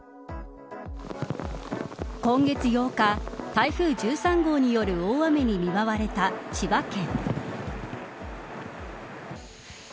今月８日台風１３号による大雨に見舞われた千葉県。